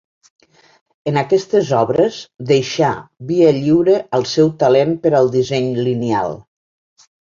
En aquestes obres deixà via lliure al seu talent per al disseny lineal.